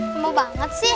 semoga banget sih